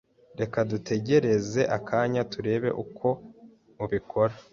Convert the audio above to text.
Reka dutegereze akanya turebe uko ubikora.